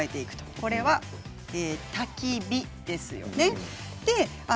これは、「たきび」ですよね。